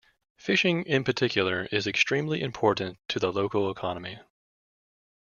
Fishing in particular is extremely important to the local economy.